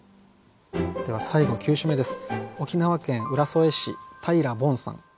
では最後９首目です。